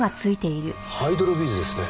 ハイドロビーズですね。